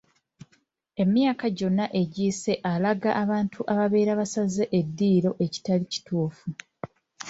Emyaka gyonna egiyise alaga abantu ababeera basaze eddiiro ekitali kituufu.